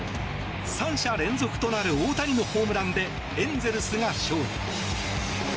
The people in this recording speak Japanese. ３者連続となる大谷のホームランでエンゼルスが勝利。